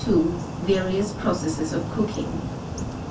Various Processes of Cooking.